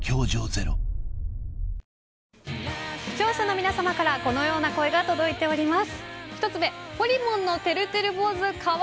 皆さまからこのような声が届いております。